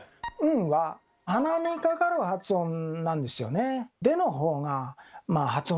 「ん」は鼻にかかる発音なんですよね。